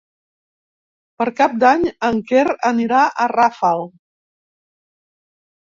Per Cap d'Any en Quer anirà a Rafal.